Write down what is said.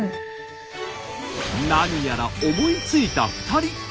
何やら思いついた２人。